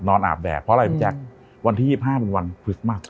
นอนอาบแดดเพราะอะไรแจ๊กวันที่๒๕เป็นวันคริสต์มาส